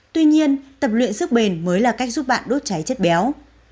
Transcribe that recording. tuy nhiên tập luyện sức bền mới là cách giúp bạn đốt cháy chất béo